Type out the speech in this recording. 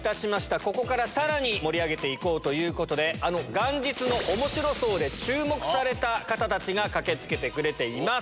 ここからさらに盛り上げて行こうということで元日の『おもしろ荘』で注目された方たちが駆け付けてくれています。